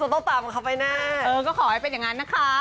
รู้สึกสไง